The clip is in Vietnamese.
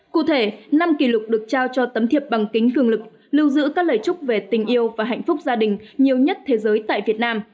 cụ thể năm kỷ lục được trao cho tấm thiệp bằng kính cường lực lưu giữ các lời chúc về tình yêu và hạnh phúc gia đình nhiều nhất thế giới tại việt nam